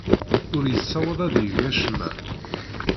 Ur yessaweḍ ad yeg acemma.